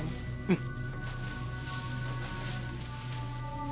うん。